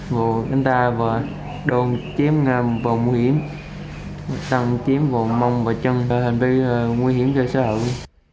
ngồi bên ta và đồn chiếm vào mũi hiểm tăng chiếm vào mông và chân hành vi nguy hiểm cho xã hội